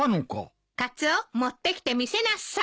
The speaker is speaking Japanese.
カツオ持ってきて見せなさい。